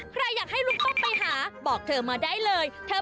ใครอยากให้ลุงป้อมไปหาบอกเธอมาได้เลย